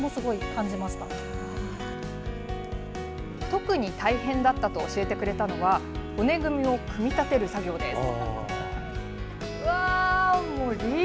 特に大変だったと教えてくれたのは骨組みを組み立てる作業です。